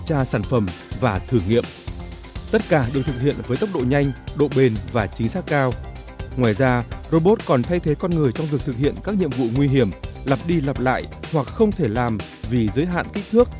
trong lĩnh vực thực hiện các nhiệm vụ nguy hiểm lặp đi lặp lại hoặc không thể làm vì giới hạn kích thước